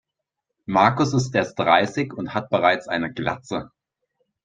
Markus ist erst dreißig und hat bereits eine Glatze.